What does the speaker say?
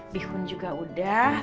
bihun juga udah